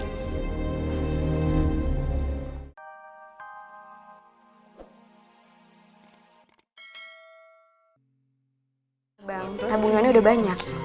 tabungannya udah banyak